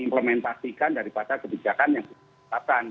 implementasikan dari pada kebijakan yang ditetapkan